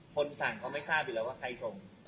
คนสั่งก็ไม่ทราบอยู่แล้วว่าใครส่ง